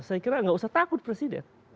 saya kira nggak usah takut presiden